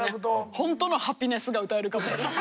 ホントの「ハピネス」が歌えるかもしれない。